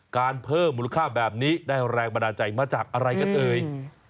เพิ่มมูลค่าแบบนี้ได้แรงบันดาลใจมาจากอะไรกันเอ่ย